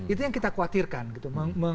itu yang kita khawatirkan gitu